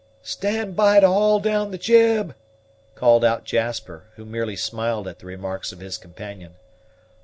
"Stand by to haul down the jib," called out Jasper, who merely smiled at the remarks of his companion.